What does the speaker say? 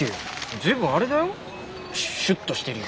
随分あれだよシュッとしてるよ。